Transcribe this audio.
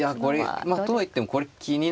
とはいってもこれ気になりますよね。